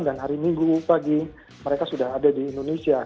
dan hari minggu pagi mereka sudah ada di indonesia